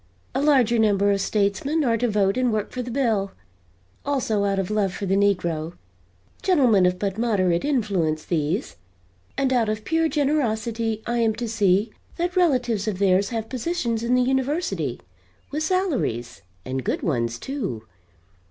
A larger number of statesmen are to vote and work for the bill also out of love for the negro gentlemen of but moderate influence, these and out of pure generosity I am to see that relatives of theirs have positions in the University, with salaries, and good ones, too.